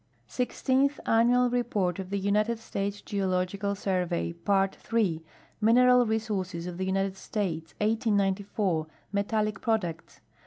Sixteenth Annual Report of the United States Geological Survey. Part III : ^lineral Resources of the United States, 1894, ^Metallic products.